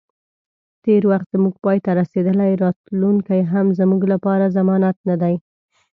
تیر وخت زمونږ پای ته رسیدلی، راتلونی هم زموږ لپاره ضمانت نه دی